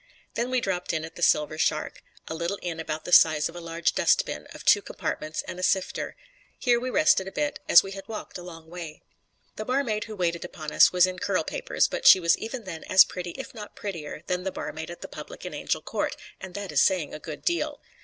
Then we dropped in at The Silver Shark, a little inn about the size of a large dustbin of two compartments and a sifter. Here we rested a bit, as we had walked a long way. The barmaid who waited upon us was in curl papers, but she was even then as pretty if not prettier than the barmaid at the public in Angel Court, and that is saying a good deal.